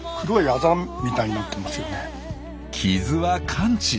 傷は完治！